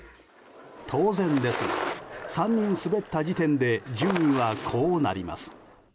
当然ですが、３人滑った時点で順位はこうなります。